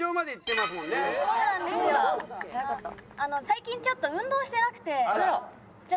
最近ちょっと運動してなくて。